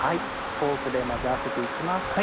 フォークで混ぜ合わせて行きます。